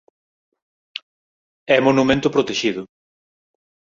É monumento protexido.